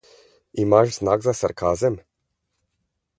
Imaš znak za sarkazem?